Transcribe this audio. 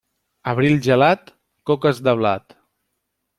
Abril gelat, coques de blat.